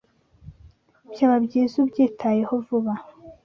Byaba byiza ubyitayeho vuba.